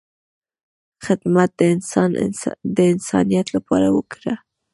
خدمت د انسانیت لپاره وکړه،